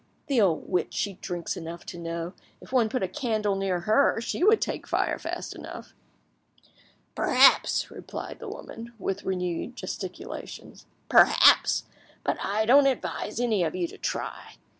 The old witch, she drinks enough to know! If one put a candle near her she would take fire, fast enough!" "Perhaps," replied the woman, with renewed gesticulations, "perhaps; but I don't advise any of you to try.